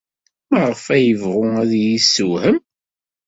Maɣef ad yebɣu ad iyi-yessewhem?